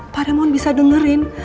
pak raymond bisa dengerin